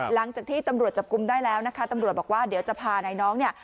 หลังจากที่ตำรวจจับกลุ่มได้แล้วนะคะตำรวจบอกว่าเดี๋ยวจะพานายน้องเนี่ย